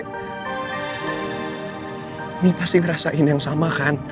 ini pasti ngerasain yang sama kan